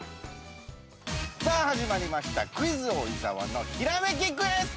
◆さあ始まりました「クイズ王・伊沢のひらめきクエスト」。